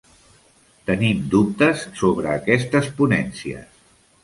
Tenim dubtes sobre aquestes ponències.